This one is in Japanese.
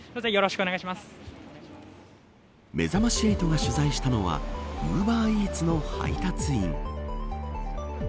めざまし８が取材したのはウーバーイーツの配達員。